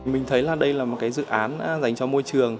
mình thấy đây là một dự án dành cho môi trường